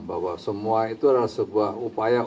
bahwa semua itu adalah sebuah upaya